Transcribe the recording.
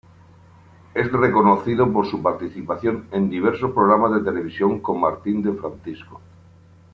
Es reconocido por su participación en diversos programas de televisión con Martín de Francisco.